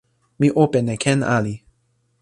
mi open e ken ali.